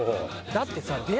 だってさ。